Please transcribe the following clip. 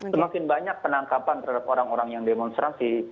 semakin banyak penangkapan terhadap orang orang yang demonstrasi